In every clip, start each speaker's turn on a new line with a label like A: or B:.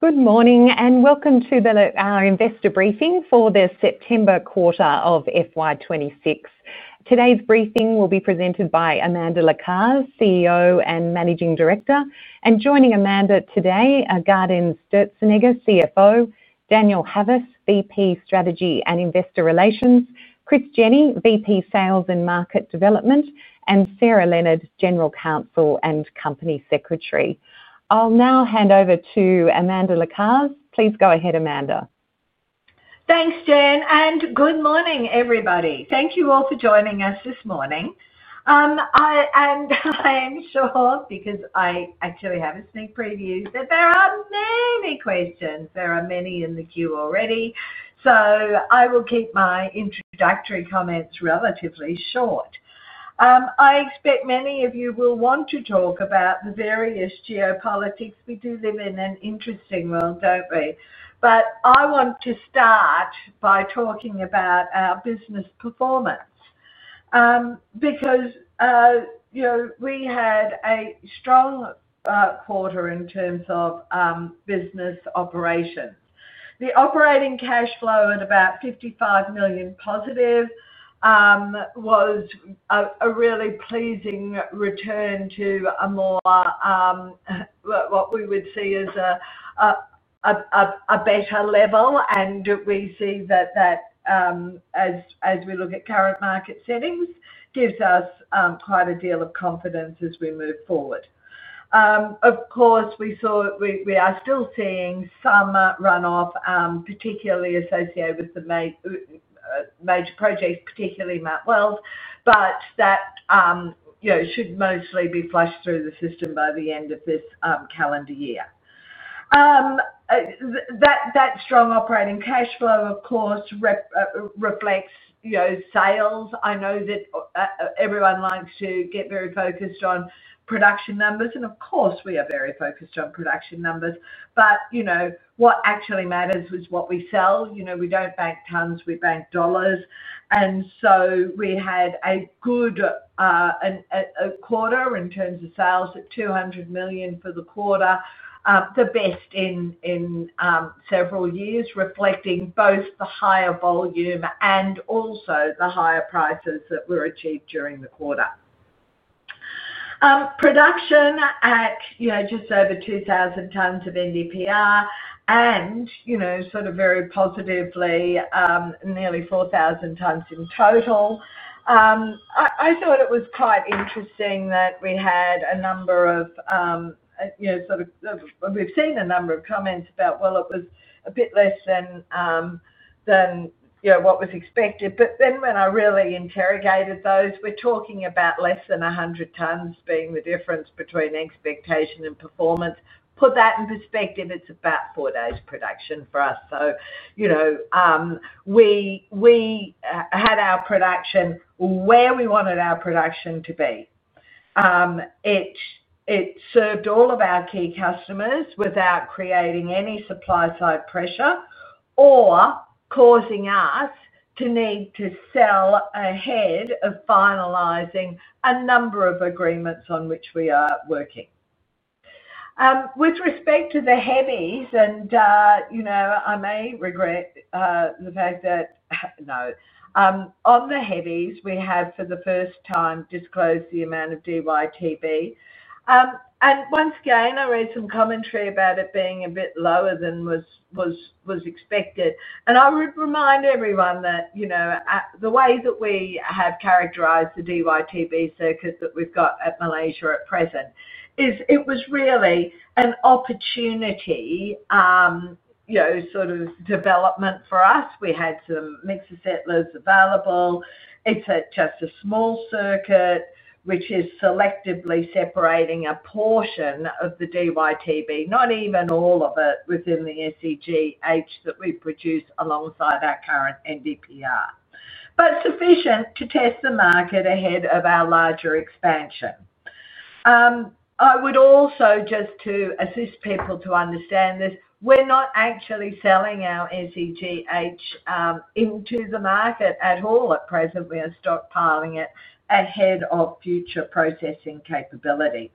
A: Good morning and welcome to our investor briefing for the September quarter of FY 2026. Today's briefing will be presented by Amanda Lacaze, CEO and Managing Director, and joining Amanda today are Gaudenz Sturzenegger, CFO, Daniel Havas, VP Strategy and Investor Relations, Chris Jenney, VP Sales and Market Development, and Sarah Leonard, General Counsel and Company Secretary. I'll now hand over to Amanda Lacaze. Please go ahead Amanda.
B: Thanks Jen. Good morning everybody. Thank you all for joining us this morning. I am sure because I actually have a sneak preview that there are many questions, there are many in the queue already, so I will keep my introductory comments relatively short. I expect many of you will want to talk about the various geopolitics because we do live in an interesting world, don't we? I want to start by talking about our business performance because, you know, we had a strong quarter in terms of business operations. The operating cash flow at about 55 million+ was a really pleasing return to a more what we would see as a better level, and we see that as we look at current market settings, gives us quite a deal of confidence as we move forward. Of course, we are still seeing some runoff, particularly associated with the major projects, particularly Mt Weld, but that should mostly be flushed through the system by the end of this calendar year. That strong operating cash flow, of course, reflects sales. I know that everyone likes to get very focused on production numbers, and of course we are very focused on production numbers. What actually matters is what we sell. We don't bank tonnes, we bank dollars. We had a good quarter in terms of sales at 200 million for the quarter, the best in several years, reflecting both the higher volume and also the higher prices that were achieved during the quarter. Production at just over 2,000 tonnes of NdPr and, sort of very positively, nearly 4,000 tonnes in total. I thought it was quite interesting that we had a number of, you know, sort of, we've seen a number of comments about, it was a bit less than what was expected, but then when I really interrogated those, we're talking about less than 100 tonnes being the difference between expectation and performance. Put that in perspective. It's about four days' production for us. We had our production where we wanted our production to be. It served all of our key customers without creating any supply side pressure or causing us to need to sell ahead of finalizing a number of agreements on which we are working with respect to the heavies. I may regret the fact that on the heavies we have for the first time disclosed the amount of DyTb and once again I read some commentary about it being a bit lower than was expected. I would remind everyone that the way that we have characterized the DyTb circuit that we've got at Malaysia at present is it was really an opportunity development for us. We had some mixers and settlers available. It's just a small circuit which is selectively separating a portion of the DyTb, not even all of it within the segment that we produce alongside our current NdPr, but sufficient to test the market ahead of our larger expansion. I would also, just to assist people to understand this, say we're not actually selling our SEGH into the market at all at present. We are stockpiling it ahead of future processing capability.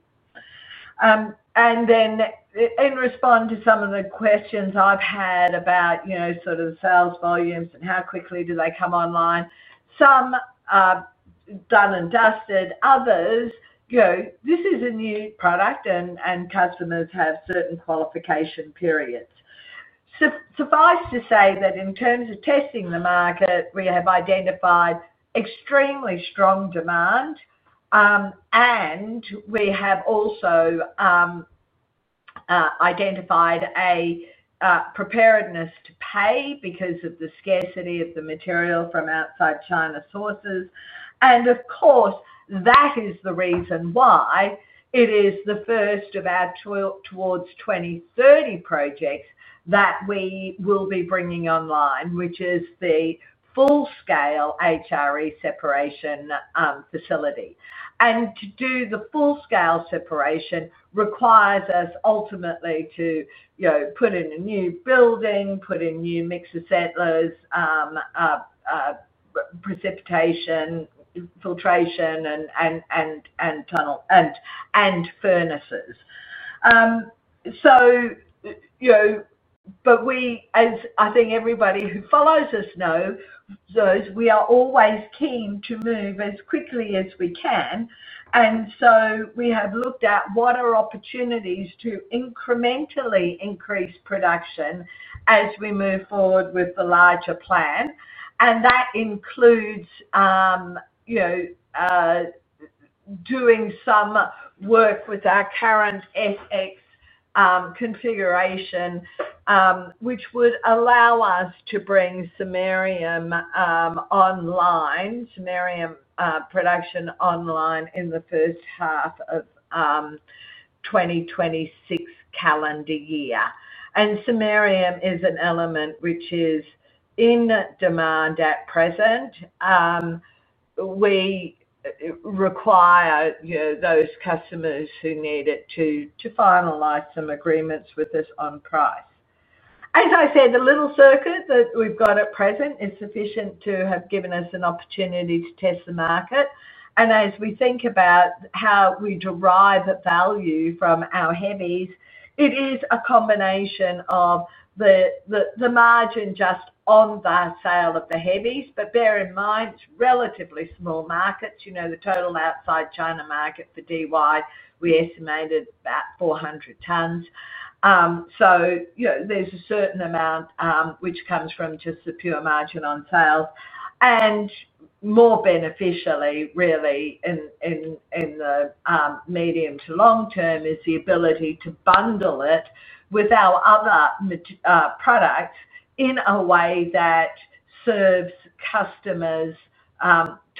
B: In response to some of the questions I've had about sales volumes and how quickly they come online, some are done and dusted, others this is a new product and customers have certain qualification periods. Suffice to say that in terms of testing the market, we have identified extremely strong demand and we have also identified a preparedness to pay because of the scarcity of the material from ex-China sources. Of course, that is the reason why it is the first of our Towards 2030 projects that we will be bringing online, which is the full scale HRE separation facility. To do the full scale separation requires us ultimately to put in a new building, put in new mixers, settlers, precipitation, filtration, tunnel, and furnaces. We, as I think everybody who follows us knows, are always keen to move as quickly as we can. We have looked at what are opportunities to incrementally increase production as we move forward with the larger plan. That includes doing some work with our current SX configuration which would allow us to bring samarium production online in the first half of 2026 calendar year. Samarium is an element which is in demand at present. We require those customers who need it to finalize some agreements with us on, as I said, the little circuit that we've got at present is sufficient to have given us an opportunity to test the market. As we think about how we derive value from our heavies, it is a combination of the margin just on the sale of the heavies. Bear in mind relatively small markets, you know, the total outside China market for Dy we estimated about 400 tons. There is a certain amount which comes from just the pure margin on sales and more beneficially really in the medium to long term is the ability to bundle it with our other products in a way that serves customers'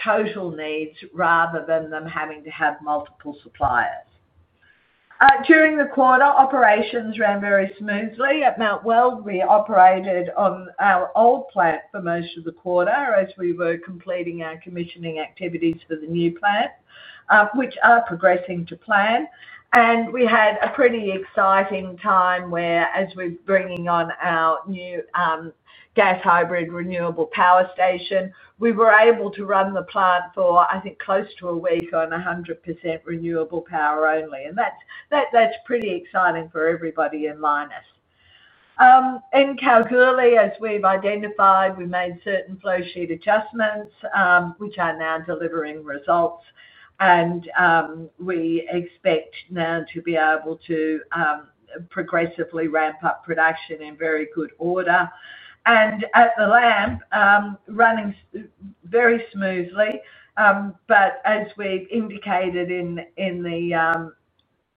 B: total needs rather than them having to have multiple suppliers. During the quarter, operations ran very smoothly at Mt Weld. We operated on our old plant for most of the quarter as we were completing our commissioning activities for the new plant, which are progressing to plan. We had a pretty exciting time where as we're bringing on our new gas hybrid renewable power station, we were able to run the plant for, I think, close to a week on 100% renewable power only. That's pretty exciting for everybody in Lynas. In Kalgoorlie, as we've identified, we made certain flowsheet adjustments which are now delivering results and we expect now to be able to progressively ramp up production in very good order and at the LAMP running very smoothly. As we indicated in the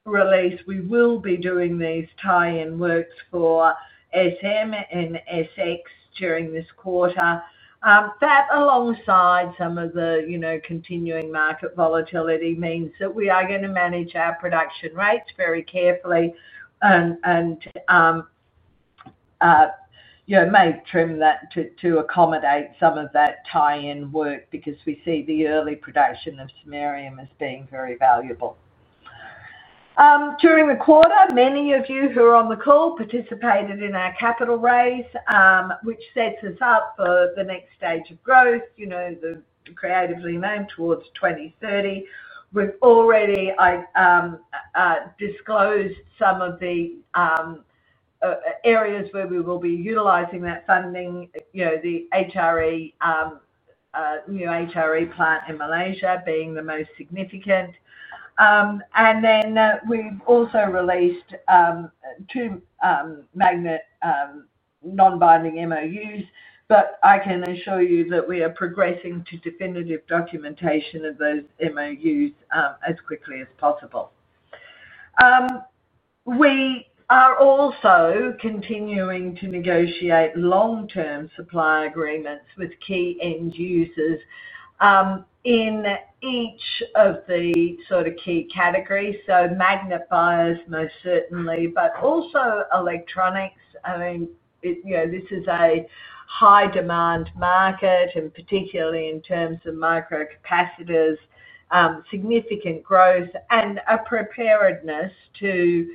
B: release, we will be doing these tie-in works for SM&SX during this quarter. That, alongside some of the continuing market volatility, means that we are going to manage our production rates very carefully and may trim that to accommodate some of that tie-in work because we see the early production of samarium as being very valuable. During the quarter, many of you who are on the call participated in our capital raise, which sets us up for the next stage of growth, the creatively named Towards 2030. We've already disclosed some of the areas where we will be utilizing that funding. The new HRE plant in Malaysia being the most significant. We've also released two magnet non-binding MOUs. I can assure you that we are progressing to definitive documentation of those MOUs as quickly as possible. We are also continuing to negotiate long-term supply agreements with key end users in each of the key categories. Magnifiers most certainly, but also electronics. This is a high demand market and particularly in terms of micro capacitors, significant growth and a preparedness to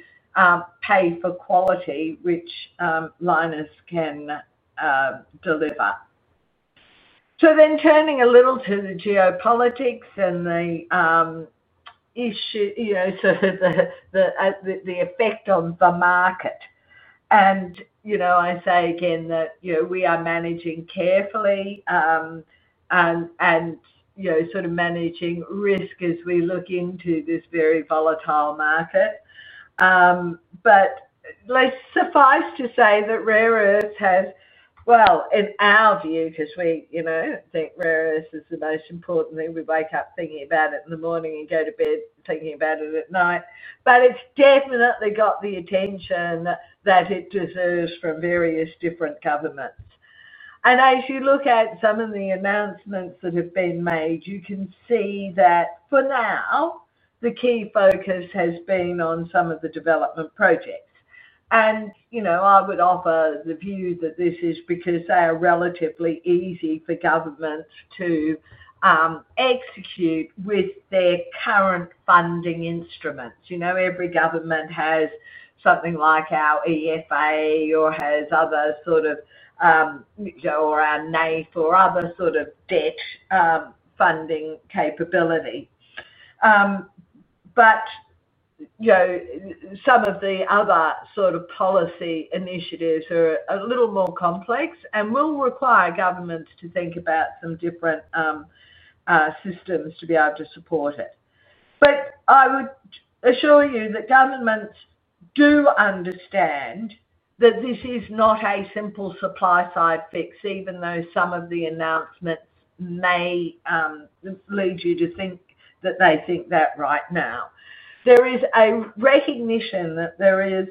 B: pay for quality which Lynas can deliver. Turning a little to the geopolitics and the issue, the effect on the market, I say again that we are managing carefully and managing risk as we look into this very volatile market. Suffice to say that rare earth has, in our view, because we think rare earth is the most important thing. We wake up thinking about it in the morning and go to bed thinking about it at night. It's definitely got the attention that it deserves from various different governments. As you look at some of the announcements that have been made, you can see that for now the key focus has been on some of the development projects. I would offer the view that this is because they are relatively easy for governments to execute with their current funding instruments. Every government has something like our EFA or has other, or our NAIF or other sort of debt funding capability. Some of the other policy initiatives are a little more complex and will require governments to think about some different systems to be able to support it. I would assure you that governments do understand that this is not a simple supply side fix. Even though some of the announcements may lead you to think that they think that right now there is a recognition that there is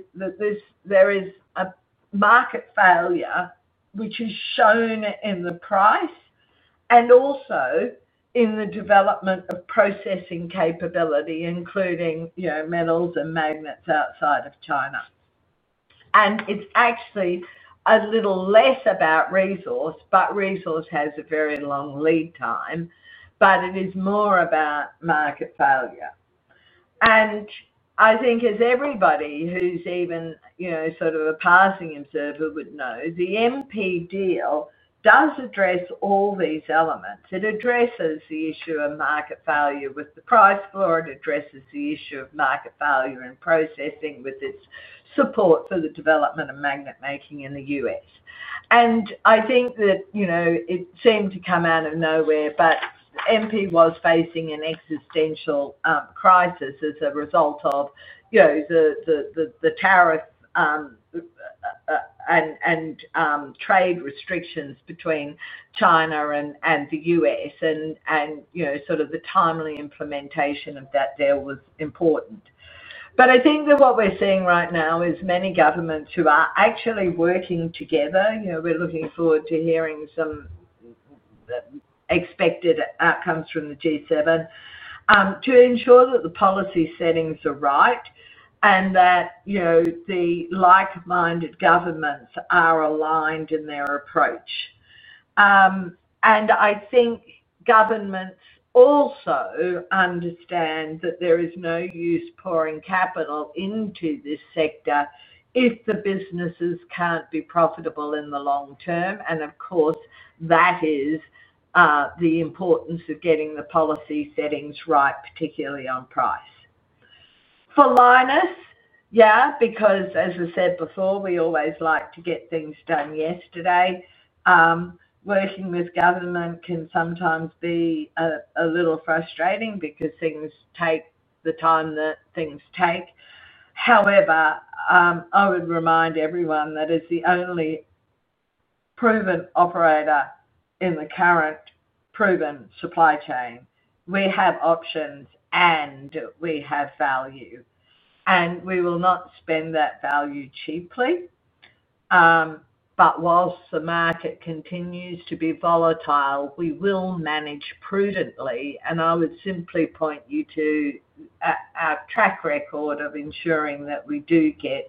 B: a market failure which is shown in the price and also in the development of processing capability, including metals and magnets outside of China. It's actually a little less about resource, but resource has a very long lead time, but it is more about market failure. I think as everybody who's even a passing observer would know, the MP deal does address all these elements. It addresses the issue of market failure with the price floor. It addresses the issue of market failure and processing with its support for the development of magnet making in the U.S. I think that, you know, it seemed to come out of nowhere but MP was facing an existential crisis as a result of, you know, the tariff and trade restrictions between China and the U.S., and, you know, the timely implementation of that deal was important. I think that what we're seeing right now is many governments who are actually working together. We're looking forward to hearing some expected outcomes from the G7 to ensure that the policy settings are right and that the like-minded governments are aligned in their approach. I think governments also understand that there is no use pouring capital into this sector if the businesses can't be profitable in the long term. Of course, that is the importance of getting the policy settings right, particularly on price for Lynas. Yeah, because as I said before, we always like to get things done yesterday. Working with government can sometimes be a little frustrating because things take the time that things take. However, I would remind everyone that it's the only proven operator in the current proven supply chain. We have options and we have value and we will not spend that value cheaply. Whilst the market continues to be volatile, we will manage prudently. I would simply point you to our track record of ensuring that we do get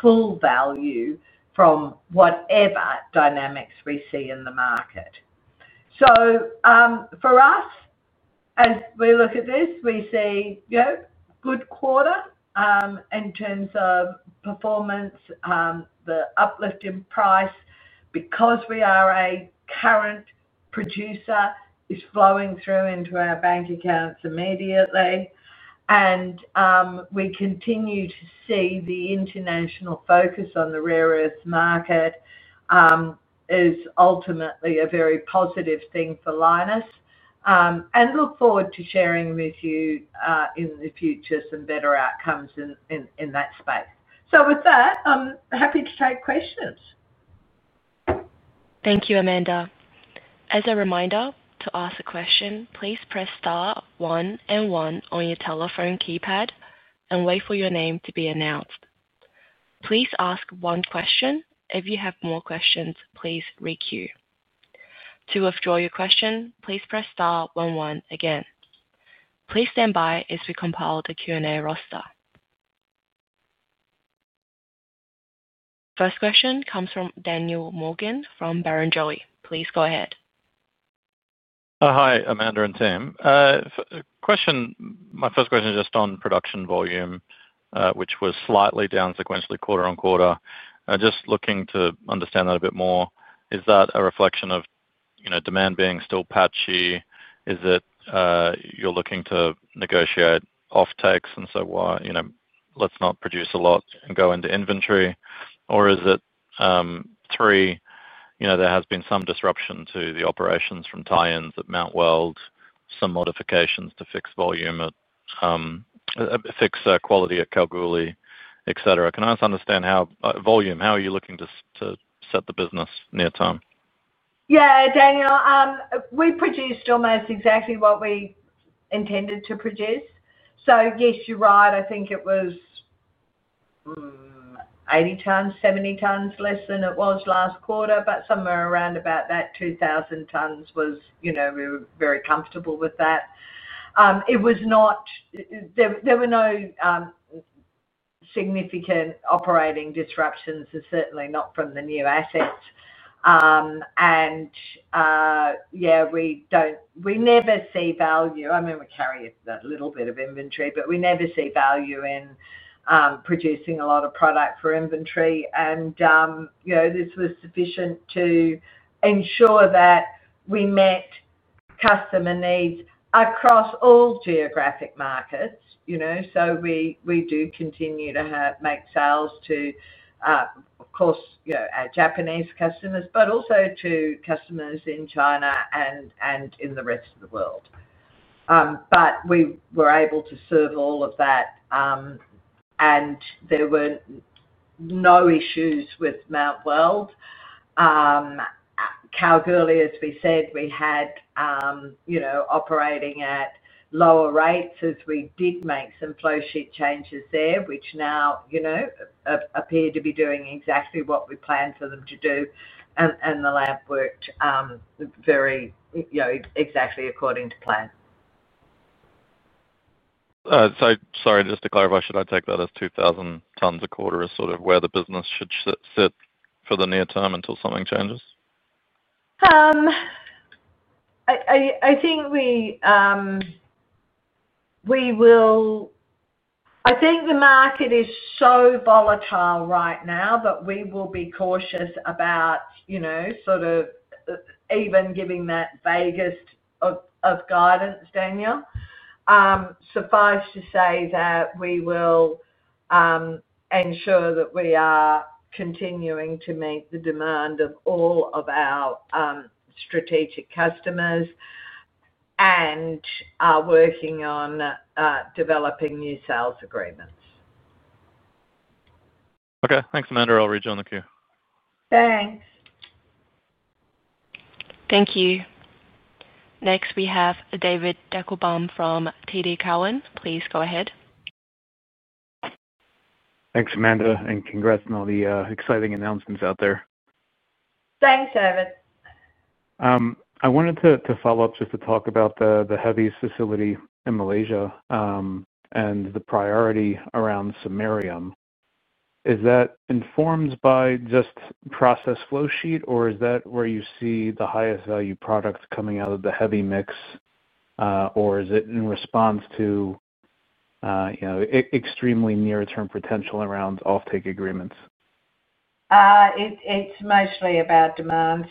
B: full value from whatever dynamics we see in the market. For us, as we look at this, we see good quarter in terms of performance. The uplift in price, because we are a current producer, is flowing through into our bank accounts immediately. We continue to see the international focus on the rare earth market is ultimately a very positive thing for Lynas and look forward to sharing with you in the future some better outcomes in that space. With that, I'm happy to take questions.
A: Thank you, Amanda. As a reminder to ask a question, please press star one and one on your telephone keypad and wait for your name to be announced. Please ask one question. If you have more questions, please requeue. To withdraw your question, please press star one one again. Please stand by as we compile the Q&A roster. First question comes from Daniel Morgan from Barrenjoey. Please go ahead.
C: Hi, Amanda and Tim. Question. My first question is just on production volume, which was slightly down sequentially quarter on quarter. Just looking to understand that a bit more. Is that a reflection of demand being still patchy? Is it you're looking to negotiate off takes and so let's not produce a lot and go into inventory, or is it three, there has been some disruption to the operations from tie ins at Mt Weld, some modifications to fixed volume at fixed quality at Kalgoorlie, etc. Can I just understand how volume, how are you looking to set the business near term?
B: Yeah, Daniel, we produced almost exactly what we intended to produce. Yes, you're right. I think it was 80 tonnes, 70 tonnes less than it was last quarter, but somewhere around about that 2,000 tonnes was, you know, we were very comfortable with that. It was not. There were no significant operating disruptions and certainly not from the new assets. We don't. We never see value. I mean, we carry that little bit of inventory, but we never see value in producing a lot of product for inventory. This was sufficient to ensure that we met customer needs across all geographic markets, you know, so we do continue to make sales to, of course, our Japanese customers, but also to customers in China and in the rest of the world. We were able to serve all of that and there were no issues with Mt Weld Kalgoorlie, as we said, we had, you know, operating at lower rates as we did make some flow sheet changes there, which now, you know, appear to be doing exactly what we planned for them to do. The lab worked very, you know, exactly according to plan.
C: Sorry, just to clarify, should I take that as 2,000 tonnes a quarter is sort of where the business should sit for the near term until something changes.
B: I think we will, I think the market is so volatile right now, but we will be cautious about, you know, sort of even giving that vaguest of guidance. Daniel, suffice to say that we will ensure that we are continuing to meet the demand of all of our strategic customers and are working on developing new sales agreements.
C: Okay, thanks Amanda. I'll rejoin the queue.
A: Thank you. Next we have David Deckelbaum from TD Cowen. Please go ahead.
D: Thanks Amanda and congrats on all the exciting announcements out there.
B: Thanks David.
D: I wanted to follow up just to talk about the heavy facility in Malaysia and the priority around samarium. Is that informed by just process flow sheet, or is that where you see the highest value products coming out of the heavy mix? Or is it in response to extremely near-term potential around offtake agreements?
B: It's mostly about demand.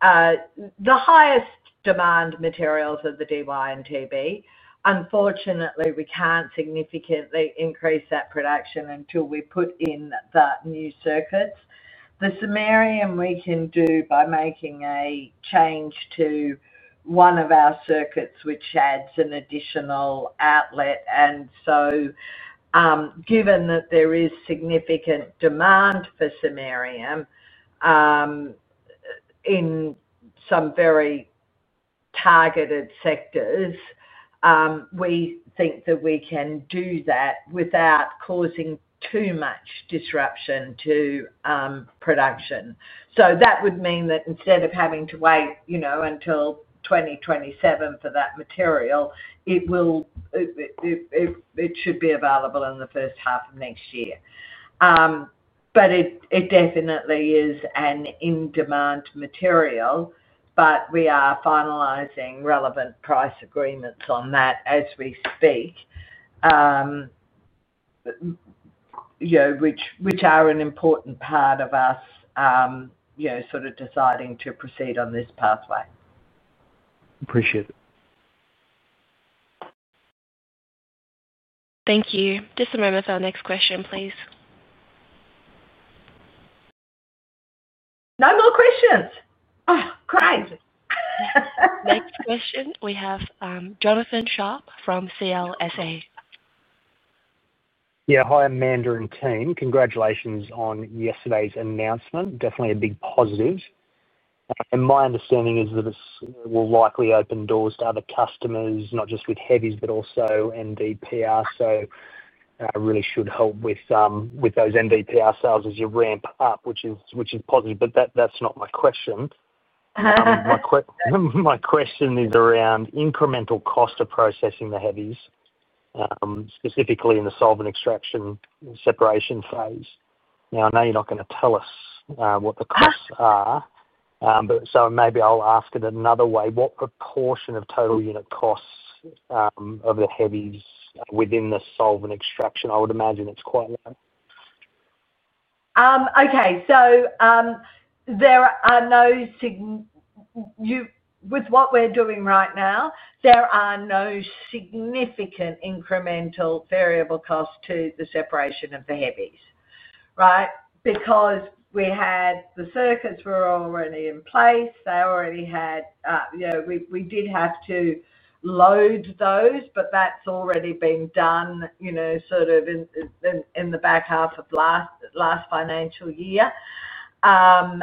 B: The highest demand materials are the Dy and Tb. Unfortunately, we can't significantly increase that production until we put in the new circuits. The samarium we can do by making a change to one of our circuits, which adds an additional outlet. Given that there is significant demand for samarium in some very targeted sectors, we think that we can do that without causing too much disruption to production. That would mean that instead of having to wait until 2027 for that material, it should be available in the first half of next year. It definitely is an in-demand material. We are finalizing relevant price agreements on that as we speak which are an important part of us deciding to proceed on this pathway.
D: Appreciate it.
A: Thank you. Just a moment for our next question, please.
B: No more questions. Crazy. Next question.
A: We have Jonathan Sharp from CLSA.
E: Yeah, hi Amanda and team, congratulations on yesterday's announcement. Definitely a big positive and my understanding is that it will likely open doors to other customers, not just with heavies, but also NdPr. Really should help with those NdPr sales as you ramp up, which is positive, but that's not my question. My question is around incremental cost of processing the heavies, specifically in the solvent extraction separation phase. I know you're not going to tell us what the costs are, so maybe I'll ask it another way. What proportion of total unit costs of the heavies within the solvent extraction? I would imagine it's quite low.
B: Okay, so there are no significant incremental variable costs to the separation of the heavies right now. Right, because the circuits were already in place. They already had, we did have to load those, but that's already been done sort of in the back half of last financial year. And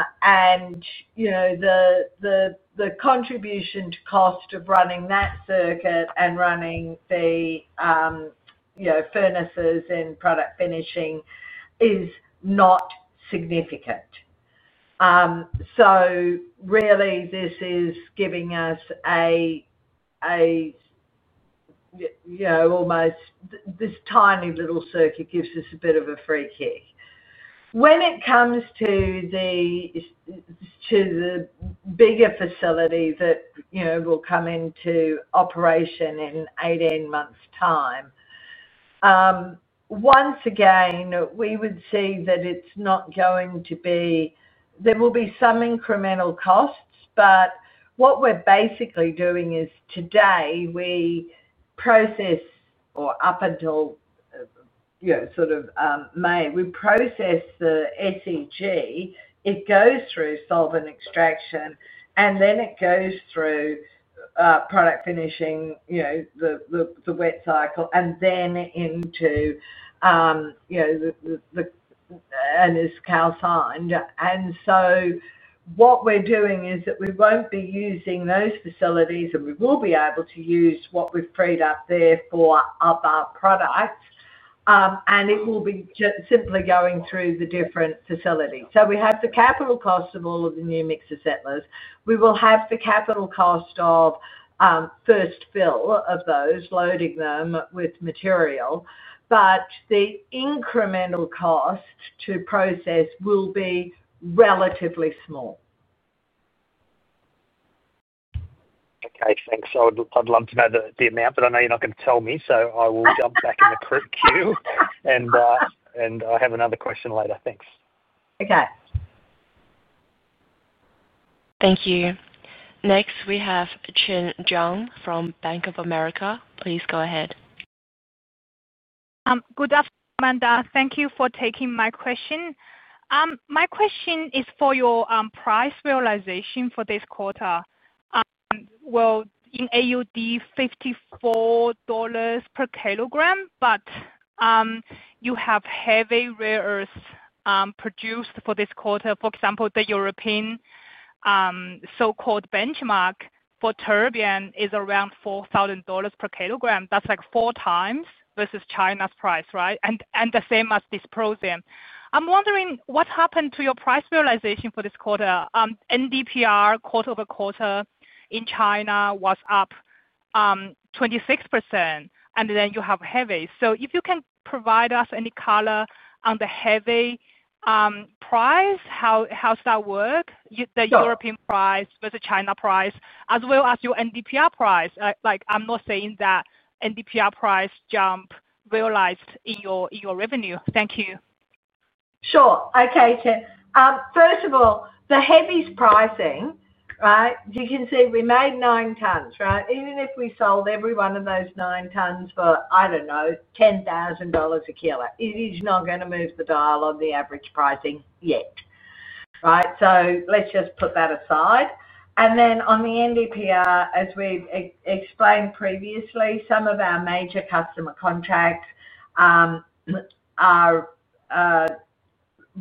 B: the contribution to cost of running that circuit and running the furnaces and product finishing is not significant. This is giving us a, you know, almost this tiny little circuit gives us a bit of a free kick when it comes to the, to the bigger facility that you know will come into operation in 18 months time. Once again we would see that it's not going to be. There will be some incremental costs. What we're basically doing is today we process or up until, you know, sort of May we process the SEGH. It goes through solvent extraction and then it goes through product finishing, you know, the wet cycle and then into, you know, and is calcined. What we're doing is that we won't be using those facilities and we will be able to use what we've freed up there for our products and it will be simply going through the different facilities. We have the capital cost of all of the new mixer settlers. We will have the capital cost of first fill of those loading them with material. The incremental cost to process will be relatively small.
E: Okay, thanks. I'd love to know the amount but I know you're not going to tell me, so I will jump back in the queue and I have another question later. Thanks.
B: Okay.
A: Thank you. Next we have Chen Jiang from Bank of America. Please go ahead.
F: Good afternoon Amanda. Thank you for taking my question. My question is for your price realization for this quarter. In AUD 54 per kilogram, but you have heavy rare earths produced for this quarter. For example, the European so-called benchmark for terbium is around 4,000 dollars per kilogram. That's like four times versus China's price. Right. The same as dysprosium. I'm wondering what happened to your price realization for this quarter. NdPr quarter over quarter in China was up 26% and then you have heavy. If you can provide us any color on the heavy price, how the European price works versus China price as well as your NdPr price. I'm not saying that NdPr price jump realized in your revenue. Thank you.
B: Sure. Okay, Chen, first of all, the heavy pricing, right. You can see we made nine tonnes, right. Even if we sold every one of those nine tonnes for, I don't know, 10,000 dollars a kilo, it is not going to move the dial on the average pricing yet, right. Let's just put that aside. On the NdPr, as we explained previously, some of our major customer contracts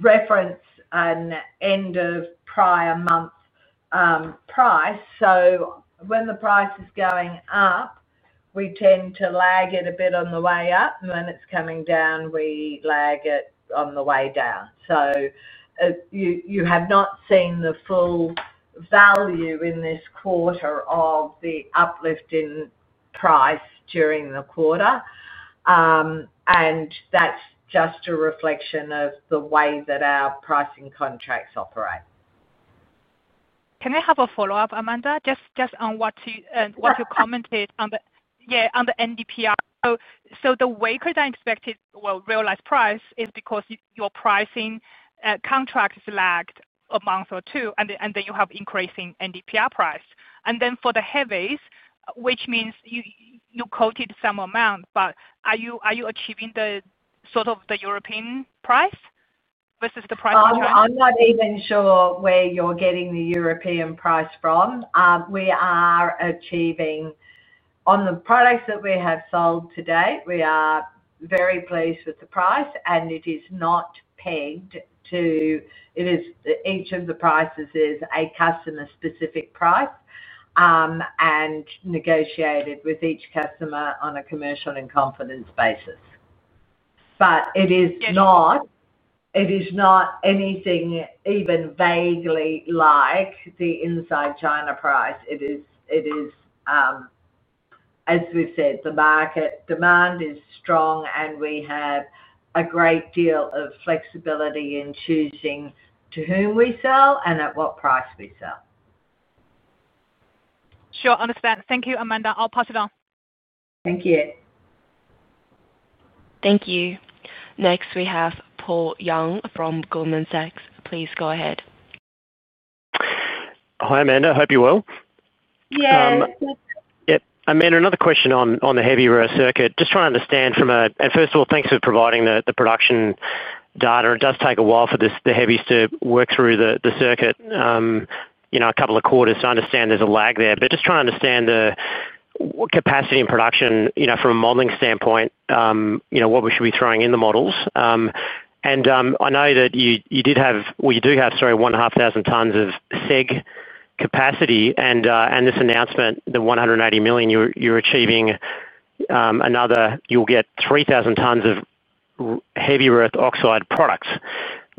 B: reference an end of prior month price. When the price is going up, we tend to lag it a bit on the way up, and when it's coming down, we lag it on the way down. You have not seen the full value in this quarter of the uplift in price during the quarter, and that's just a reflection of the way that our pricing contracts operate.
F: Can I have a follow up, Amanda, just on what you commented on the NdPr? The weaker than expected well realized price is because your pricing contract is lagged a month or two, and then you have increasing NdPr price. For the heavies, you quoted some amount. Are you achieving the sort of the European price versus the price?
B: I'm not even sure where you're getting the European price from. We are achieving on the products that we have sold today. We are very pleased with the price, and it is not pegged to. Each of the prices is a customer-specific price and negotiated with each customer on a commercial and confidence basis. It is not anything even vaguely like the inside China price. As we said, the market demand is strong, and we have a great deal of flexibility in choosing to whom we sell and at what price we sell.
F: Sure. Understand. Thank you, Amanda. I'll pass it on.
B: Thank you.
A: Thank you. Next we have Paul Young from Goldman Sachs. Please go ahead.
G: Hi Amanda, hope you're well.
B: Yeah.
G: Amanda, another question on the heavy rare circuit. Just trying to understand from a, first of all, thanks for providing the production data. It does take a while for the heavies to work through the circuit, you know, a couple of quarters. I understand there's a lag there, but just trying to understand the capacity in production, you know, from a modeling standpoint, you know what we should be throwing in the models. I know that you did have, or you do have, sorry, 12,000 tonnes of SEGH capacity and this announcement, the 180 million, you're achieving another, you'll get 3,000 tonnes of heavy rare earth oxide products.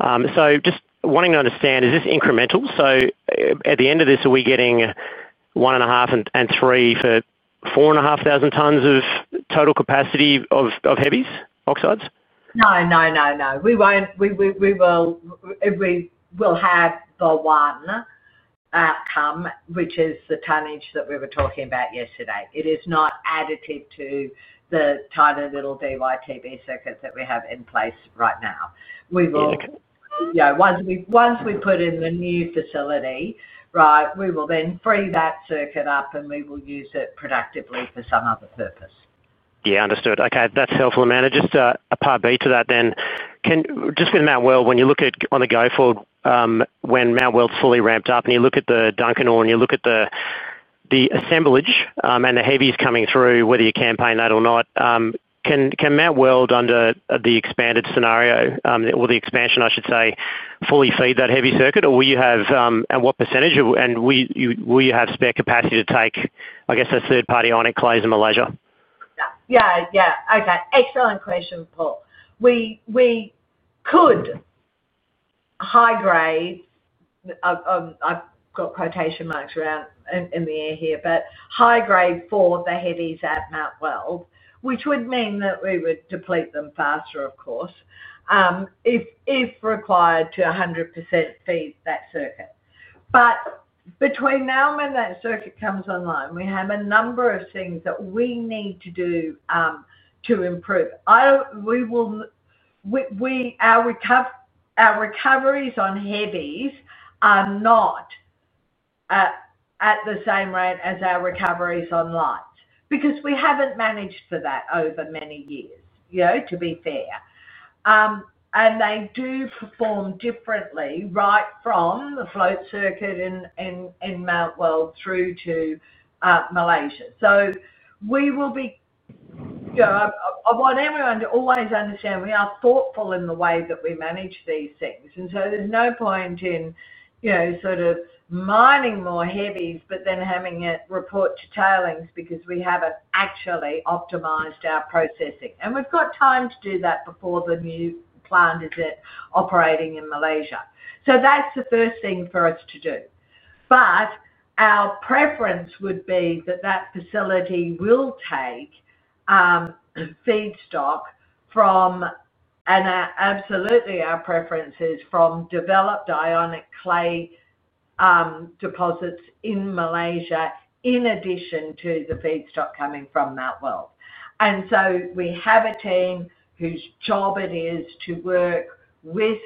G: Just wanting to understand, is this incremental? At the end of this, are we getting one and a half and three for 4,500 tonnes of total capacity of heavies oxides?
B: No, we won't. We will have the one outcome, which is the tonnage that we were talking about yesterday. It is not additive to the tiny little DyTb circuit that we have in place right now. Once we put in the new facility, we will then free that circuit up and we will use it productively for some other.
G: Yeah, understood. Okay, that's helpful, Amanda. Just a part B to that then just for the Mt Weld. When you look at, on the go forward, when Mt Weld's fully ramped up and you look at the Duncan ore and you look at the assemblage and the heavies coming through, whether you campaign that or not, can Mt Weld under the expanded scenario or the expansion, I should say, fully feed that heavy circuit or will you have, and what percentage, and will you have spare capacity to take, I guess, a third party ionic clays in Malaysia?
B: Yeah. Yeah, okay. Excellent question, Paul. We could high grade, I've got quotation marks around in the air here, but high grade for the heavies at Mt Weld, which would mean that we would deplete them faster, of course, if required to 100% feed that circuit. Between now and when that circuit comes online, we have a number of things that we need to do to improve our recoveries on heavies, which are not at the same rate as our recoveries on light because we haven't managed for that over many years, to be fair. They do perform differently, right from the float circuit in Mt Weld through to Malaysia. We will always understand, we are thoughtful in the way that we manage these things. There is no point in sort of mining more heavies but then having it report to tailings because we haven't actually optimized our processing. We've got time to do that before the new plant is operating in Malaysia. That's the first thing for us to do. Our preference would be that that facility will take feedstock from, and absolutely our preference is from developed ionic clay deposits in Malaysia in addition to the feedstock coming from Mt Weld. We have a team whose job it is to work with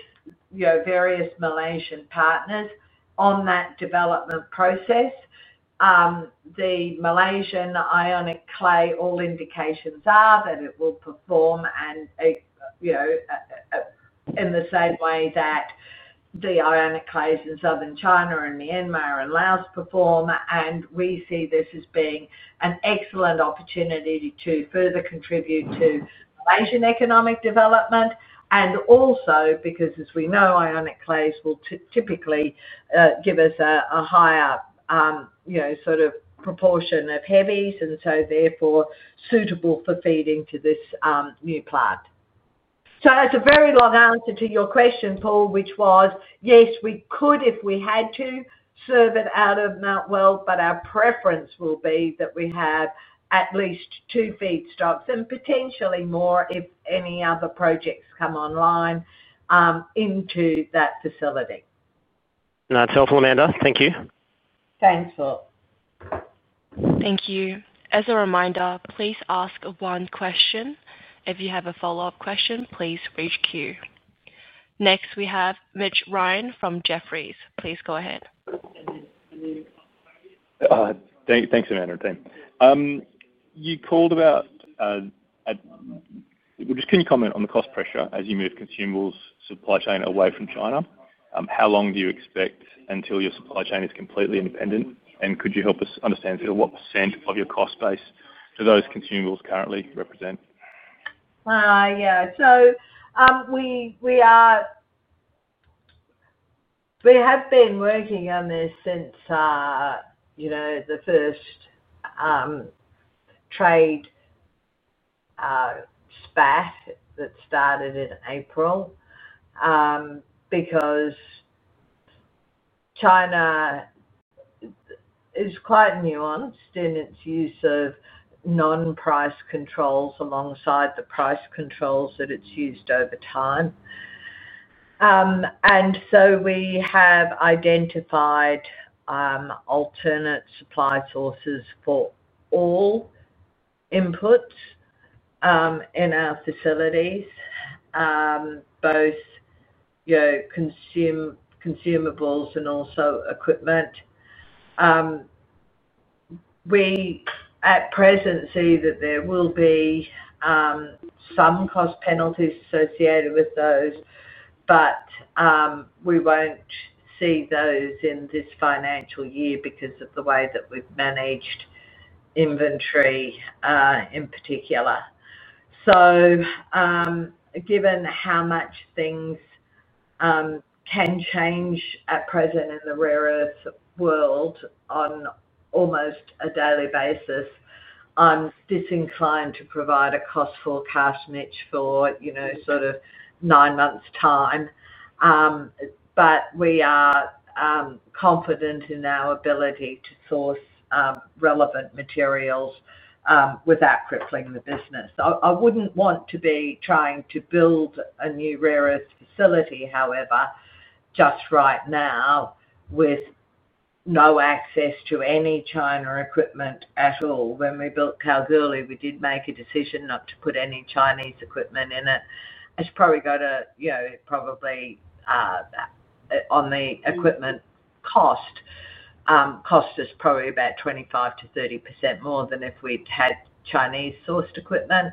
B: various Malaysian partners on that development process. The Malaysian ionic clay, all indications are that it will perform, you know, in the same way that the ionic clays in southern China and Myanmar and Laos perform. We see this as being an excellent opportunity to further contribute to Malaysian economic development. Also, as we know, ionic clays will typically give us a higher, you know, sort of proportion of heavies and so therefore suitable for feeding to this new plant. That's a very long answer to your question, Paul, which was yes, we could if we had to serve it out of Mt Weld. Our preference will be that we have at least two feedstocks and potentially more if any other projects come online into that facility.
G: That's helpful, Amanda, thank you.
B: Thanks Paul.
A: Thank you. As a reminder, please ask one question. If you have a follow-up question, please rejoin the queue. Next, we have Mitch Ryan from Jefferies. Please go ahead.
H: Thanks Amanda. Thank you team you called about. Just can you comment on the cost pressure as you move consumables supply chain away from China? How long do you expect until your supply chain is completely independent? Could you help us understand what percent of your cost base do those consumables currently represent?
B: Yeah, we have been working on this since the first trade spat that started in April because China is quite nuanced in its use of non-price controls alongside the price controls that it's used over time. We have identified alternate supply sources for all inputs in our facilities, both consumables and also equipment. We at present see that there will be some cost penalties associated with those, but we won't see those in this financial year because of the way that we've managed inventory in particular. Given how much things can change at present in the rare earth world on almost a daily basis, I'm disinclined to provide a cost forecast niche for, you know, sort of nine months' time. We are confident in our ability to source relevant materials without crippling the business. I wouldn't want to be trying to build a new rare earth facility, however, just right now with no access to any China equipment at all. When we built Kalgoorlie, we did make a decision not to put any Chinese equipment in it. It's probably got a, you know, probably on the equipment cost, cost us probably about 25%-30% more than if we'd had Chinese sourced equipment.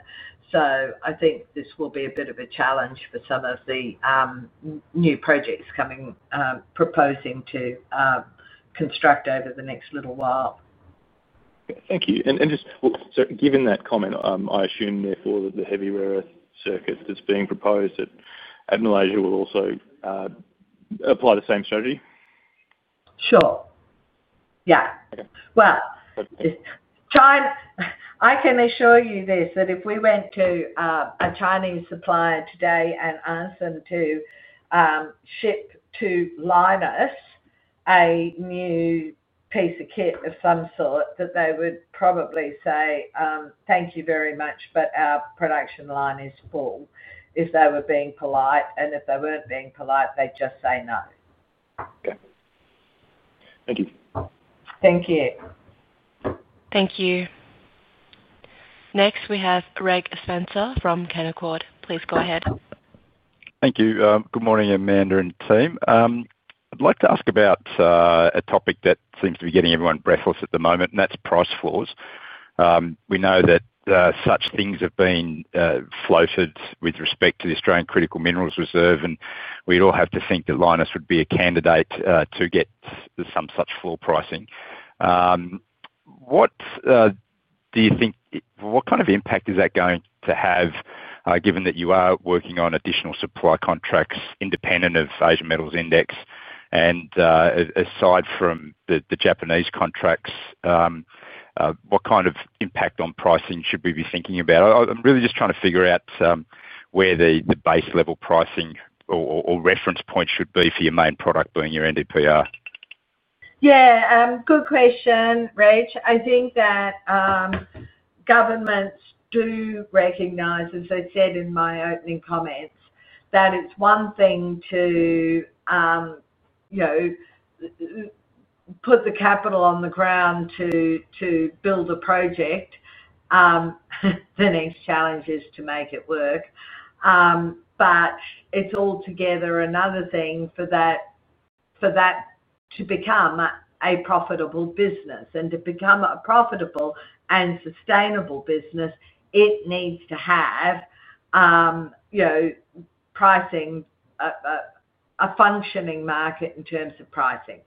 B: I think this will be a bit of a challenge for some of the new projects coming proposing to construct over the next little while.
H: Thank you. Given that comment, I assume therefore that the heavy rare earth circuit that's being proposed at Malaysia will also apply the same strategy.
B: Sure, yeah. I can assure you this, that if we went to a Chinese supplier today and asked to ship to Lynas a new piece of kit of some sort, they would probably say thank you very much, but our production line is full. If they were being polite, and if they weren't being polite, they'd just say no,
H: Okay, thank you.
B: Thank you.
A: Thank you. Next we have Reg Spencer from Canaccord. Please go ahead.
I: Thank you. Good morning, Amanda and team. I'd like to ask about a topic that seems to be getting everyone breathless at the moment, and that's price floors. We know that such things have been floated with respect to the Australian Critical Minerals Reserve, and we'd all have to think that Lynas would be a candidate to get some such floor pricing. What do you think? What kind of impact is that going to have? Given that you are working on additional supply contracts independent of Asia Metal Index and aside from the Japanese contracts, what kind of impact on pricing should we be thinking about? I'm really just trying to figure out where the base level pricing or reference point should be for your main product. Doing your NdPr?
B: Yeah, good question, Reg. I think that governments do recognize, as I said in my opening comments, that it's one thing to put the capital on the ground to build a project, the next challenge is to make it work. It's altogether another thing for that to become a profitable business and to become a profitable and sustainable business, it needs to have pricing, a functioning market in terms of pricing.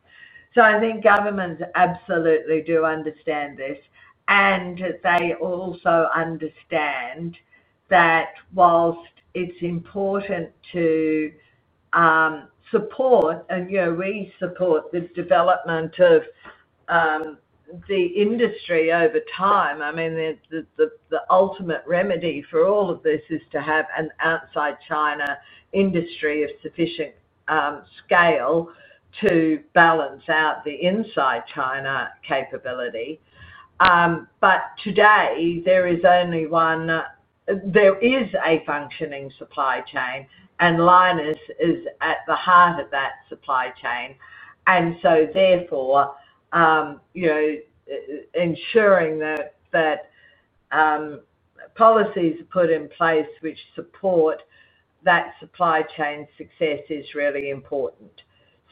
B: I think governments absolutely do understand this and they also understand that whilst it's important to support, and we support the development of the industry over time, the ultimate remedy for all of this is to have an ex-China industry of sufficient scale to balance out the inside China capability. Today there is only one, there is a functioning supply chain and Lynas is at the heart of that supply chain. Therefore, ensuring that policies put in place which support that supply chain success is really important.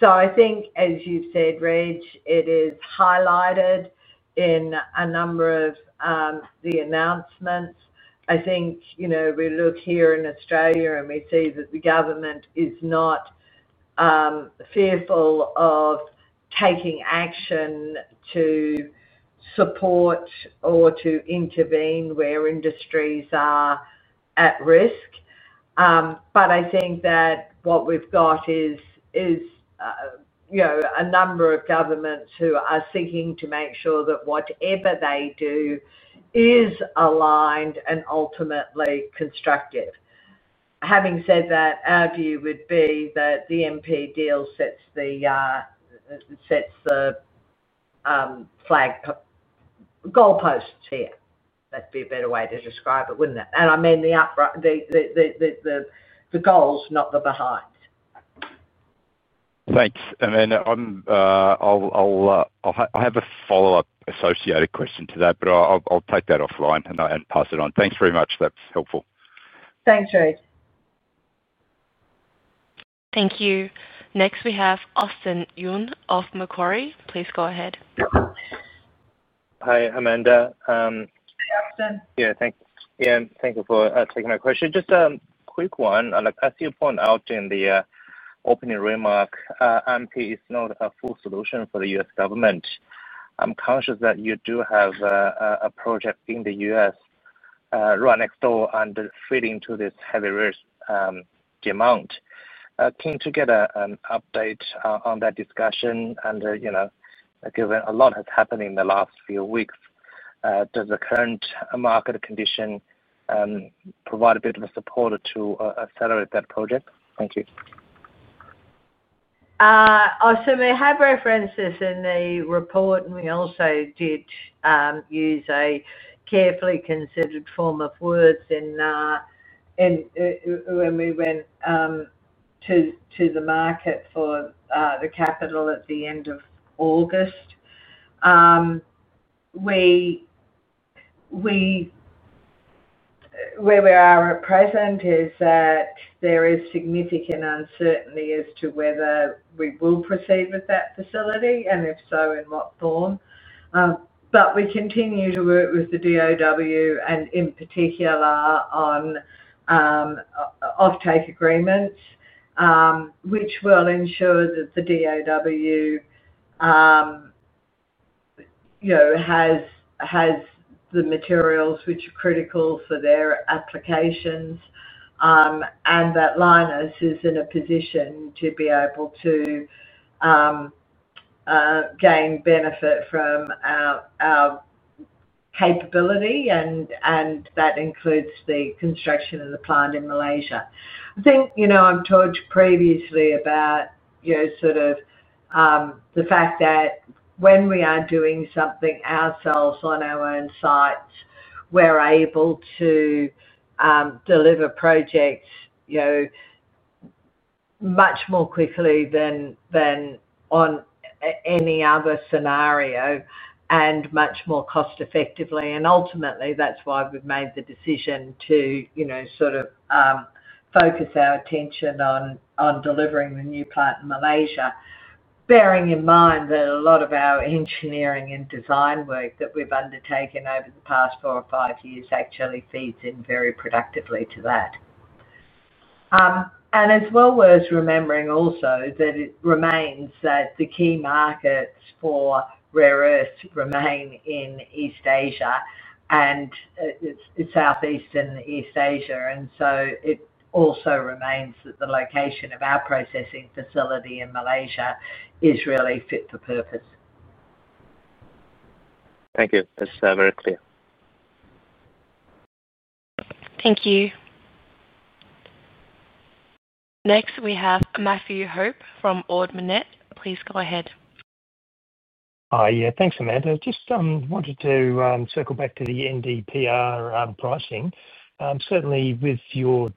B: I think, as you've said, Reg, it is highlighted in a number of the announcements. I think we look here in Australia and we see that the government is not fearful of taking action to support or to intervene where industries are at risk. I think that what we've got is a number of governments who are seeking to make sure that whatever they do is aligned and ultimately constructive. Having said that, our view would be that the MP deal sets the flag goal posts here. That'd be a better way to describe it, wouldn't it? I mean the goals, not the behinds.
I: Thanks, Amanda. I have a follow up associated question to that, but I'll take that offline and pass it on. Thanks very much. That's helpful.
B: Thanks, Reg.
A: Thank you. Next we have Austin Yun of Macquarie. Please go ahead.
J: Hi Amanda. Thank you. Thank you for taking my question. Just a quick one. As you point out in the opening remark, LAMP is not a full solution for the U.S. Government. I'm conscious that you do have a project in the United States right next door and feeding to this heavy risk demand. Keen to get an update on that discussion. Given a lot has happened in the last few weeks, does the current market condition provide a bit of a support to accelerate that project? Thank you.
B: We have referenced this in the report and we also did use a carefully considered form of words when we went to the market for the capital at the end of August. Where we are at present is that there is significant uncertainty as to whether we will proceed with that facility and if so, in what form. We continue to work with the Dow and in particular on offtake agreement which will ensure that the Dow, you know, has the materials which are critical for their applications and that Lynas is in a position to be able to gain benefit from our capability and that includes the construction of the plant in Malaysia. I think, you know, I've talked previously about, you know, sort of the fact that when we are doing something ourselves on our own sites, we're able to deliver projects much more quickly than on any other scenario and much more cost effectively. Ultimately that's why we've made the decision to, you know, sort of focus our attention on delivering the new plant in Malaysia, bearing in mind that a lot of our engineering and design work that we've undertaken over the past four or five years actually feeds in very productively to that. It is well worth remembering also that it remains that the key markets for rare earths remain in East Asia and Southeast and East Asia. It also remains that the location of our processing facility in Malaysia is really fit for purpose.
J: Thank you. That's very clear.
A: Thank you. Next we have Matthew Hope from Ord Minnett. Please go ahead.
K: Thanks, Amanda. Just wanted to circle back to the NdPr pricing. Certainly with your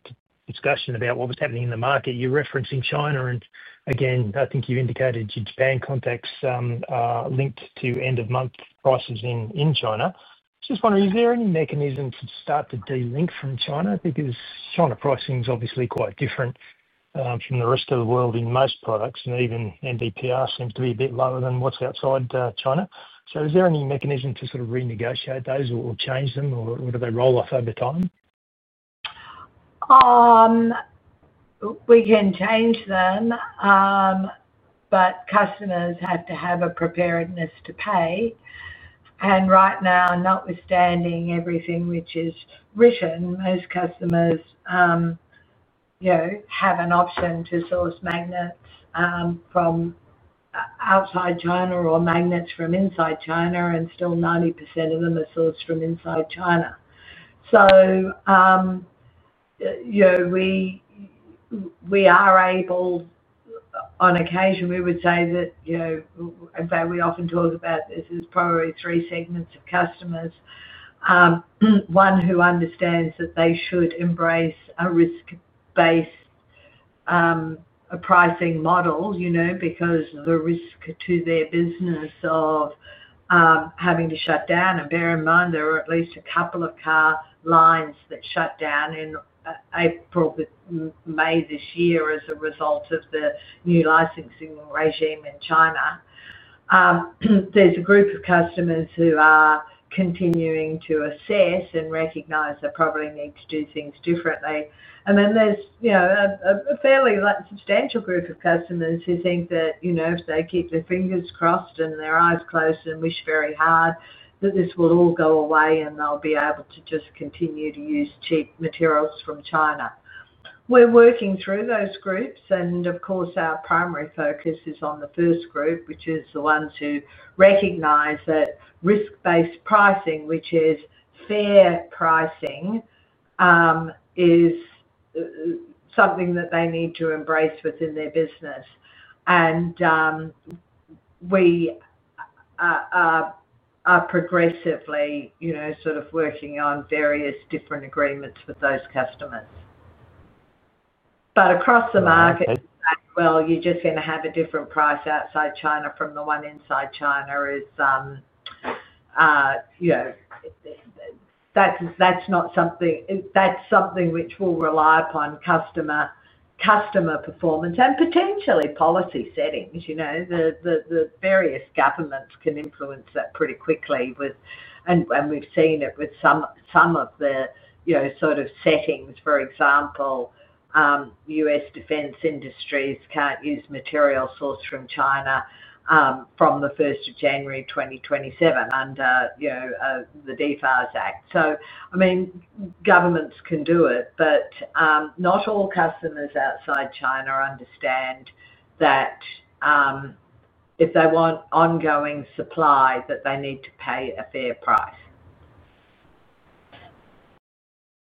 K: discussion about what was happening in the market, you referencing China and again I think you indicated your Japan contacts linked to end of month prices in China. Just wondering, is there any mechanism to start to delink from China? Because China pricing is obviously quite different from the rest of the world in most products and even NdPr seems to be a bit lower than what's outside China. Is there any mechanism to sort of renegotiate those or change them or do they roll off over time?
B: We can change them, but customers have to have a preparedness to pay. Right now, notwithstanding everything which is written, most customers, you know, have an option to source magnets from outside China or magnets from inside China, and still 90% of them are sourced from inside China. So, we are able, on occasion we would say that, in fact we often talk about this as there's probably three segments of customers. One who understands that they should embrace a risk-based pricing model, because the risk to their business of having to shut down. Bear in mind there are at least a couple of car lines that shut down in April, May this year as a result of the new license signal regime in China. There's a group of customers who are continuing to assess and recognize they probably need to do things differently. Then there's a fairly substantial group of customers who think that if they keep their fingers crossed and their eyes closed and wish very hard that this will all go away and they'll be able to just continue to use cheap materials from China. We're working through those groups and of course our primary focus is on the first group, which is the ones who recognize that risk-based pricing, which is fair pricing, is something that they need to embrace within their business. We are progressively working on various different agreements with those customers, but across the market, you're just going to have a different price outside China from the one inside China. That is something which will rely upon customer performance and potentially policy settings. Various governments can influence that pretty quickly, and we've seen it with some of the settings. For example, U.S. defense industries can't use material sourced from China from January 1, 2027 under the DFARS Act. Governments can do it, but not all customers outside China understand that if they want ongoing supply that they need to pay a fair price.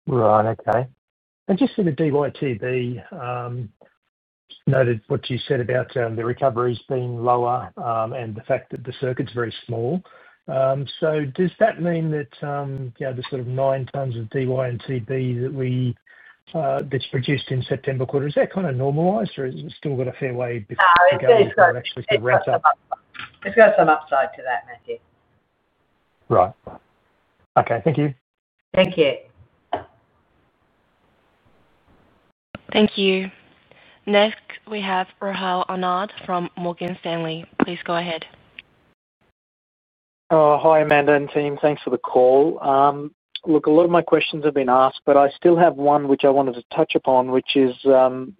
K: Right, okay. Just sort of DyTb, noted what you said about the recoveries being lower and the fact that the circuit's very small. Does that mean that the sort of 9 tonnes of DyTb that's produced in the September quarter, is that kind of normalized or has it still got a fair way before?
B: Got some upside to that, Matthew.
K: Right, okay. Thank you.
B: Thank you.
A: Thank you. Next we have Rahul Anand from Morgan Stanley. Please go ahead.
L: Hi Amanda and team, thanks for the call. A lot of my questions have been asked, but I still have one which I wanted to touch upon, which is the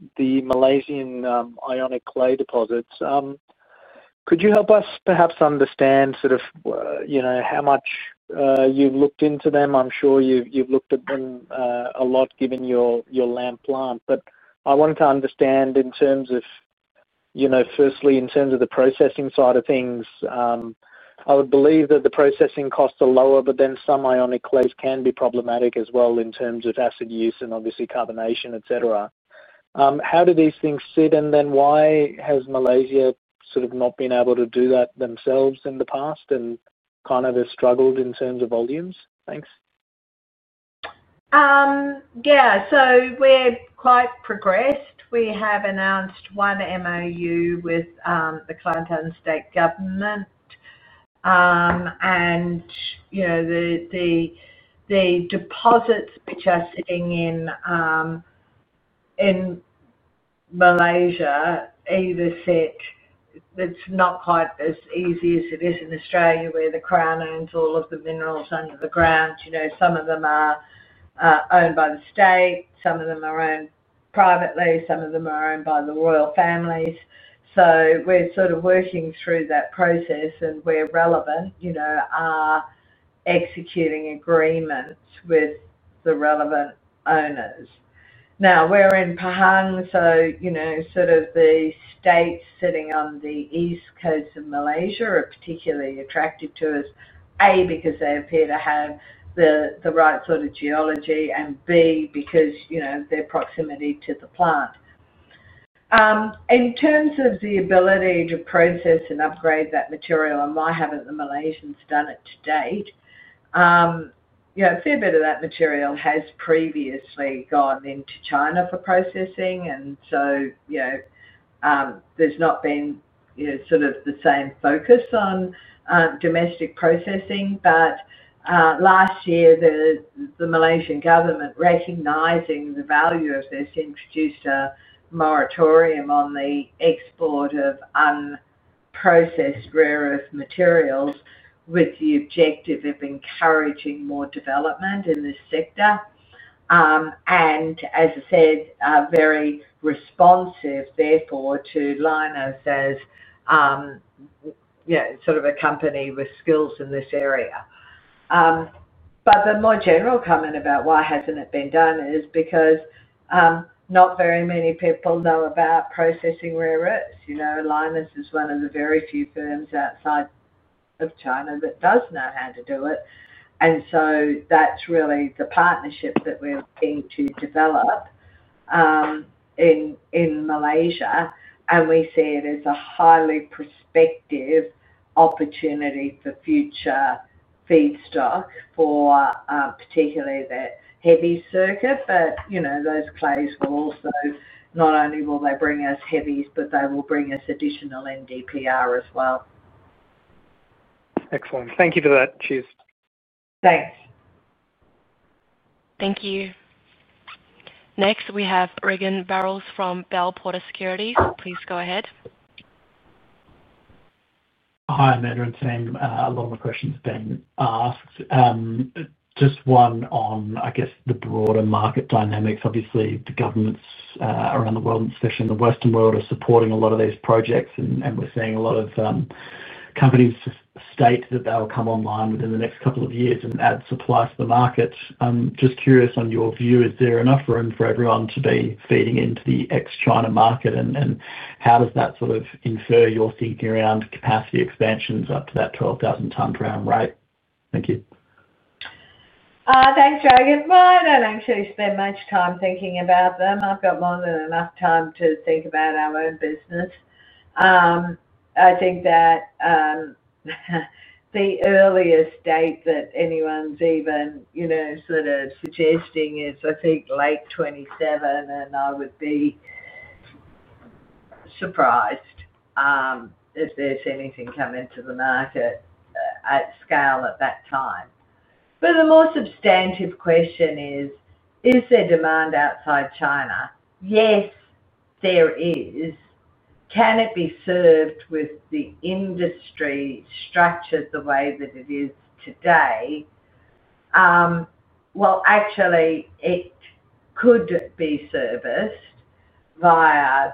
L: Malaysian ionic clay deposits. Could you help us perhaps understand sort of, you know, how much you've looked into them. I'm sure you've looked at them a lot given your LAMP plant. I wanted to understand in terms of, you know, firstly in terms of the processing side of things, I would believe that the processing costs are lower, but then some ionic clays can be problematic as well in terms of acid use and obviously carbonation, etc. How do these things sit? Why has Malaysia sort of not been able to do that themselves in the past and kind of struggled in terms of volumes. Thanks.
B: Yeah, so we're quite progressed. We have announced one MoU with the clientele and state government. The deposits which are sitting in Malaysia either sit. It's not quite as easy as it is in Australia where the crown owns all of the minerals under the ground. Some of them are owned by the state, some of them are owned privately, some of them are owned by the royal families. We're sort of working through that process and where relevant, are executing agreements with the relevant owners. Now we're in Pahang. The states sitting on the east coast of Malaysia are particularly attractive to us, A because they appear to have the right sort of geology and B, because their proximity to the plant. In terms of the ability to process and upgrade that material. Why haven't the Malaysians done it to date? A fair bit of that material has previously gone into China for processing, so there's not been the same focus on domestic processing. Last year, the Malaysian government, recognizing the value of this, introduced a moratorium on the export of unprocessed rare earth materials with the objective of encouraging more development in this sector. As I said, very responsive therefore, to Lynas as a company with skills in this area. The more general comment about why hasn't it been done is because not very many people know about processing rare earths. Lynas is one of the very few firms outside of China that does know how to do it. That's really the partnership that we're going to develop in Malaysia. We see it as a highly precise opportunity for future feedstock for particularly the heavy circuit. Those clays will also, not only will they bring us heavies, but they will bring us additional NdPr as well.
L: Excellent. Thank you for that. Cheers.
B: Thanks.
A: Thank you. Next we have Regan Burrows from Bell Potter Securities. Please go ahead.
M: Hi, Amanda and team. A lot of the questions have been asked. Just one on, I guess, the broader market dynamics. Obviously, the governments around the world, especially in the Western world, are supporting a lot of these projects, and we're seeing a lot of companies state that they'll come online within the next couple of years and add supplies to the market. Just curious on your view, is there enough room for everyone to be feeding into the ex-China market, and how does that sort of infer your thinking around capacity expansions up to that 12,000 tonnes round? Right, thank you.
B: Thanks, Regan. I don't actually spend much time thinking about them. I've got more than enough time to think about our own business. I think that the earliest date that anyone is even, you know, sort of suggesting is, I think, late 2027, and I would be surprised if there's anything coming to the market at scale at that time. A more substantive question is, is there demand outside China? Yes, there is. Can it be served with the industry structured the way that it is today? Actually, it could be serviced via,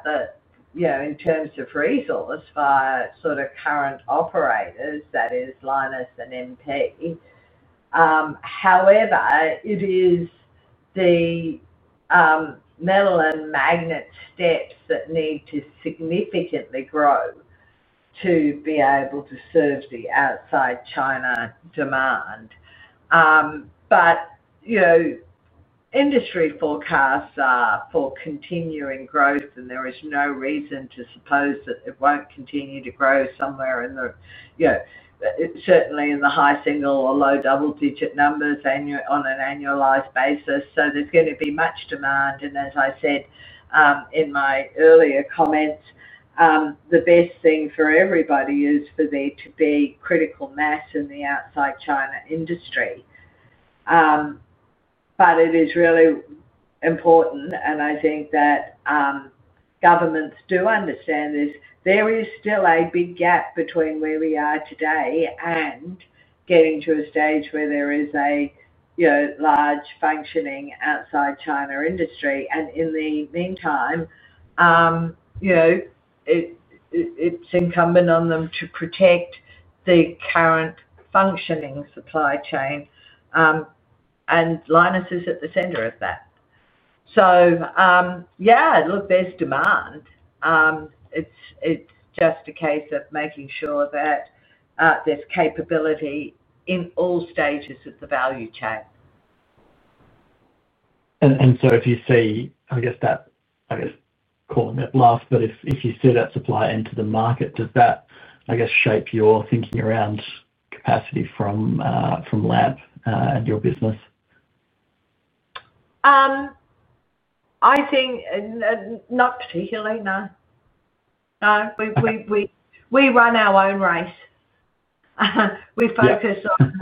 B: you know, in terms of resource, via sort of current operators, i.e., Lynas and MP. However, it is the magnet steps that need to significantly grow to be able to serve the outside China demand. Industry forecasts are for continuing growth, and there is no reason to suppose that it won't continue to grow somewhere. Yeah, certainly in the high single or low double digit numbers on an annualized basis. There's going to be much demand and as I said in my earlier comments, the best thing for everybody is for there to be critical mass in the ex-China industry. It is really important and I think that governments do understand this. There is still a big gap between where we are today and getting to a stage where there is a large functioning ex-China industry. In the meantime, it's incumbent on them to protect the current functioning supply chain and Lynas is at the center of that. Yeah, look, there's demand. It's just a case of making sure that this capability is in all stages of the value chain.
M: If you see that supply enter the market, does that shape your thinking around capacity from LAMP and your business?
B: I think not particularly, no. We run our own race, we focus on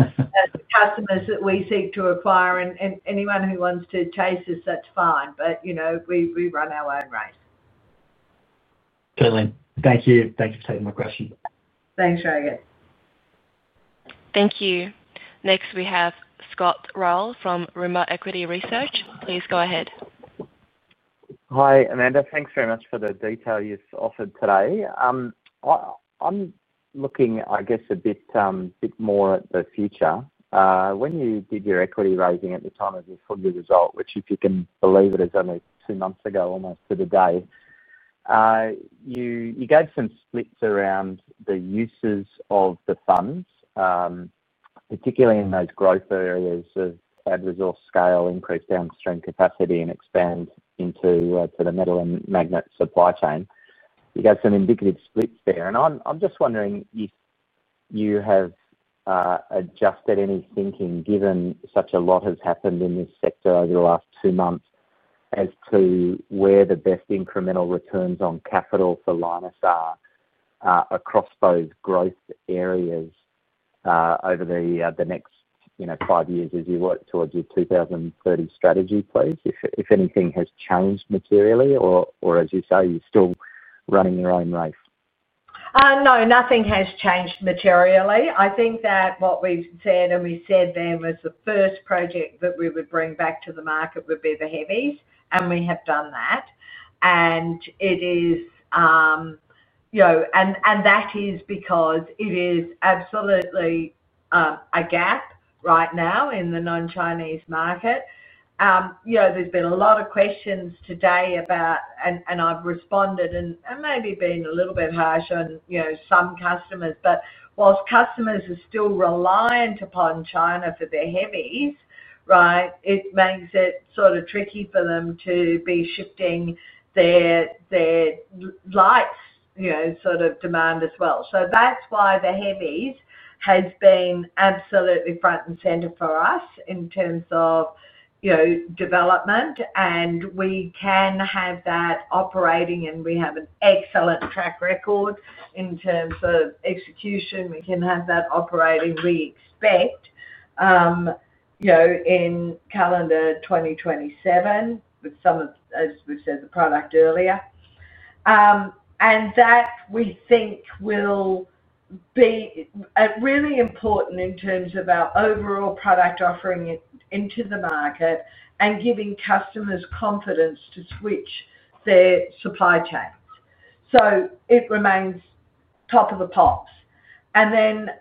B: customers that we seek to acquire, and anyone who wants to chase us, that's fine, but you know, we run our own race.
M: Thank you, thank you for taking my question.
B: Thanks, Regan. Thank you.
A: Next we have [Scott Roll from Rima Equity Research], please go ahead.
N: Hi Amanda, thanks very much for the detail you've offered today. I'm looking, I guess, a bit more at the future. When you did your equity raising at the time of your full year result, which, if you can believe it, is only two months ago almost to the day, you gave some splits around the uses of the funds, particularly in those growth areas of add resource scale, increase downstream capacity, and expand into the metal and magnet supply chain. You got some indicative splits there, and I'm just wondering if you have adjusted any thinking given such a lot has happened in this sector over the last two months as to where the best incremental returns on capital for Lynas are across those growth areas over the next five years. As you work towards your 2030 strategy, please, if anything has changed materially or, as you say, you're still running your own race.
B: No, nothing has changed materially. I think that what we said and we said then was the first project that we would bring back to the market would be the heavies. We have done that, and that is because it is absolutely a gap right now in the non-Chinese market. There have been a lot of questions today about, and I've responded and maybe been a little bit harsh on some customers. Whilst customers are still reliant upon China for their heavies, it makes it sort of tricky for them to be shifting their lights sort of demand as well. That is why the heavies has been absolutely front and center for us in terms of development, and we can have that operating and we have an excellent track record in terms of execution. We can have that operating, we expect, in calendar 2027 with some of, as we said, the product earlier. We think that will be really important in terms of our overall product offering into the market and giving customers confidence to switch their supply chain, so it remains top of the pops. It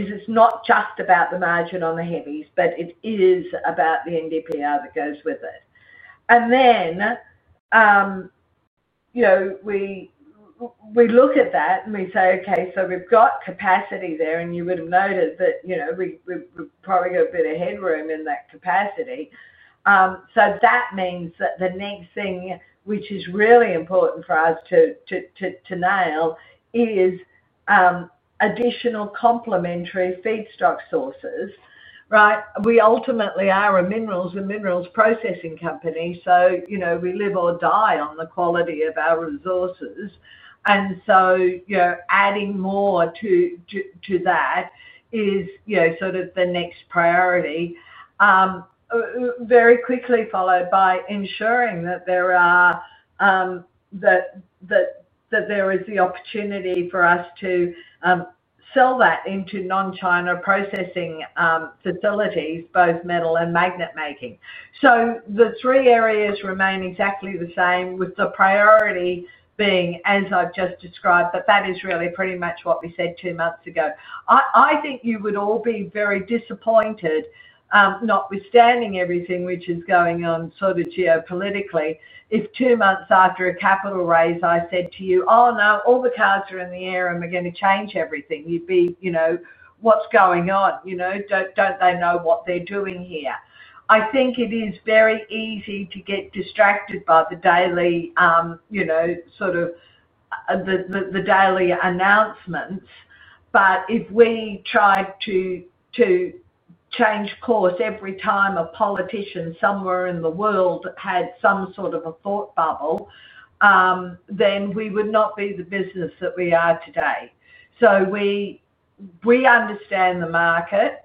B: is not just about the margin on the heavies, but it is about the NdPr that goes with it. And then you know, we look at that and we say, okay, so we've got capacity there and you would have noted that, you know, we probably got a bit of headroom in that capacity. That means that the next thing which is really important for us to nail is additional complementary feedstock sources. Right. We ultimately are a minerals and minerals processing company. You know, we live or die on the quality of our resources. Adding more to that is sort of the next priority, very quickly followed by ensuring that there is the opportunity for us to sell that into non-China processing facilities, both metal and magnet making. The three areas remain exactly the same with the priority being as I've just described. That is really pretty much what we said two months ago. I think you would all be very disappointed, notwithstanding everything which is going on geopolitically, if two months after a capital raise I said to you, oh no, all the cards are in the air and we're going to change everything. You'd be, you know, what's going on, you know, don't they know what they're doing here? I think it is very easy to get distracted by the daily announcements. If we tried to change course every time a politician somewhere in the world had some sort of a thought bubble, then we would not be the business that we are today. We understand the market,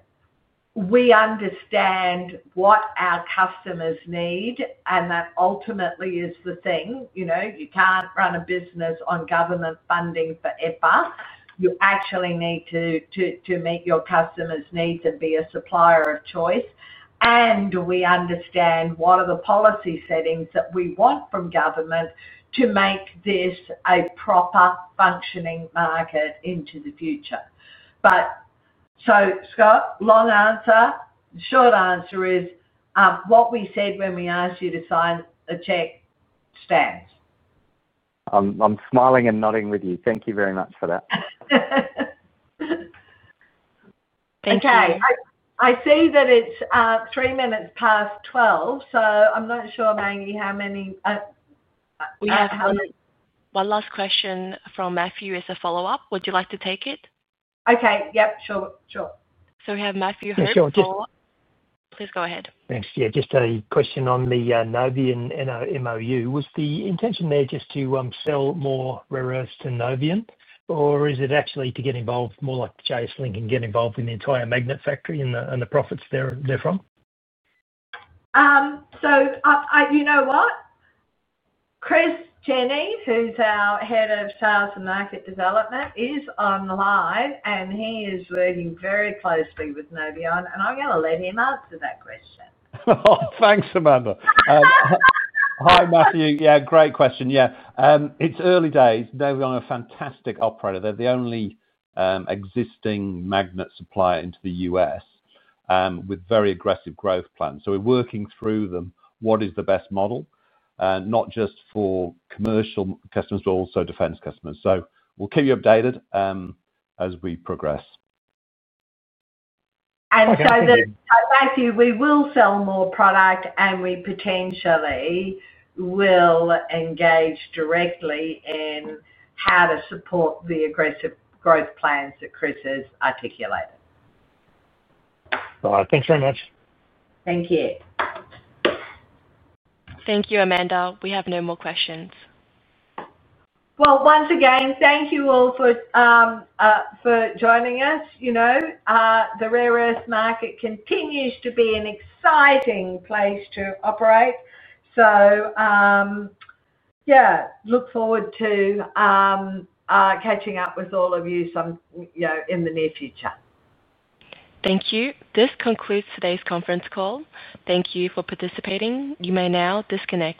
B: we understand what our customers need and that ultimately is what the thing, you know, you can't run a business on government funding for EPA. You actually need to meet your customers' needs and be a supplier of choice and we understand what are the policy settings that we want from government to make this a proper functioning market into the future. Scott, long answer, short answer is what we said when we asked you to sign a check stands.
O: I'm smiling and nodding with you. Thank you very much for that.
B: Okay, I see that it's 12:03 P.M. so I'm not sure. Maggie, how many?
A: One last question from Matthew is a follow-up. Would you like to take it?
B: Okay. Yep, sure. We have.
A: Matthew, please go ahead.
K: Thanks. Yeah, just a question on the Noveon MOU, was the intention there just to sell more rare earths to Noveon, or is it actually to get involved more like JS Link and get involved in the entire magnet factory and the profits therefrom.
B: You know what, Chris Jenney, who's our Head of Sales and Market Development, is on live and he is working very closely with Noveon. I'm going to let him answer that question.
P: Thanks, Amanda. Hi, Matthew. Great question. Yeah, it's early days. Noveon, a fantastic operator. They're the only existing magnet supplier into the U.S. with very aggressive growth plans. We're working through them to determine what is the best model not just for commercial customers but also defense customers. We'll keep you updated as we progress.
B: Matthew, we will sell more product and we potentially will engage directly in how to support the aggressive growth plans that Chris has articulated.
K: All right. Thanks very much.
B: Thank you.
A: Thank you, Amanda. We have no more questions.
B: Thank you all for joining us. You know, the rare earth market continues to be an exciting place to operate. Yeah, look forward to catching up with all of you in the near future.
A: Thank you. This concludes today's conference call. Thank you for participating. You may now disconnect.